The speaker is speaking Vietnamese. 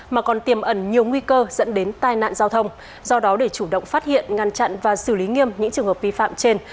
mà còn tiềm ẩn nhiều nguy cơ dẫn đến tai nạn giao thông do đó để chủ động phát hiện ngăn chặn và xử lý nghiêm những trường hợp vi phạm trên